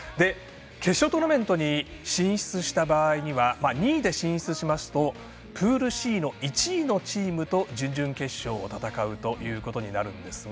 決勝トーナメントに進出した場合には２位で進出しますとプールＣの、１位のチームと準々決勝を戦うということになるんですが。